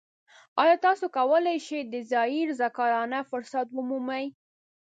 ایا تاسو کولی شئ د ځایی رضاکارانه فرصت ومومئ؟